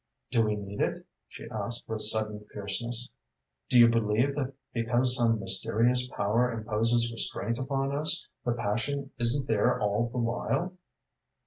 "Do we need it?" she asked, with sudden fierceness. "Do you believe that because some mysterious power imposes restraint upon us, the passion isn't there all the while?"